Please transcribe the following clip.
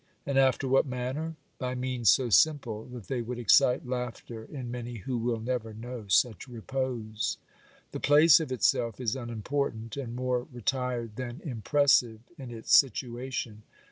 And after what manner ? By means so simple that they would excite laughter in many who will never know such repose. The place of itself is unimportant and more retired than impressive in its situation.